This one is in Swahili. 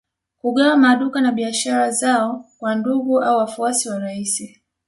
Kugawa maduka na biashara zao kwa ndugu au wafuasi wa rais